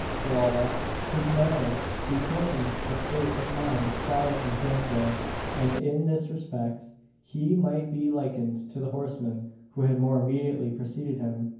For all that, his manner betokened a state of mind far from tranquil; and in this respect he might be likened to the horseman who had more immediately preceded him.